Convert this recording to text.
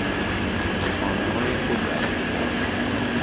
به خانههای خود رفتند.